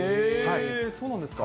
そうなんですか。